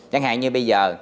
chẳng hạn như bây giờ